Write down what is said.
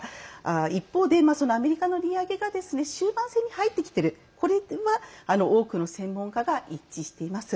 一方で、アメリカの利上げが終盤戦に入ってきている、これは多くの専門家は一致しています。